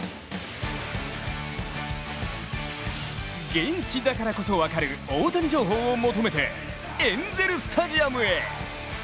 現地だからこそ分かる大谷情報を求めてエンゼル・スタジアムへ。